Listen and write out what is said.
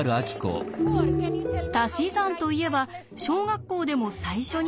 たし算といえば小学校でも最初に学ぶもの。